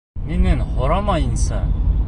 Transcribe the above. Минән һорамайынса?!